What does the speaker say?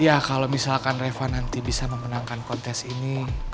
iya kalau misalkan reva nanti bisa memenangkan kontes ini